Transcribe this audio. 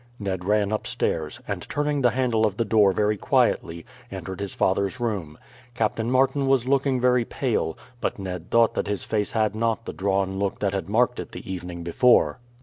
Ned ran upstairs, and turning the handle of the door very quietly entered his father's room. Captain Martin was looking very pale, but Ned thought that his face had not the drawn look that had marked it the evening before.